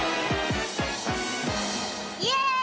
イェーイ！